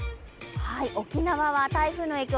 沖縄は台風の影響